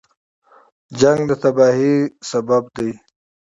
جنګ د تباهۍ لامل دی